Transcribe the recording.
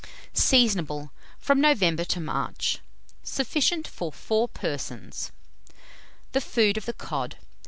Seasonable from November to March. Sufficient for 4 persons. THE FOOD OF THE COD.